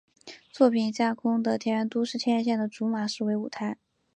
作品以架空的田园都市千叶县的竹马市为舞台。